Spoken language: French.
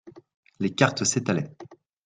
Les cartes s'étalaient.